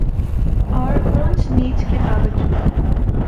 اور اونچ نیچ کے باوجود